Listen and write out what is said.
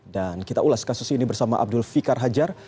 dan kita ulas kasus ini bersama abdul fikar hajar